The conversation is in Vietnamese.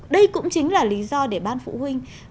đây cũng chính là lý do để ban phụ huynh